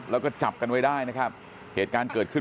แล้วก็จับกันไว้ได้นะครับเหตุการณ์เกิดขึ้น